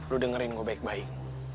lu dengerin gue baik baik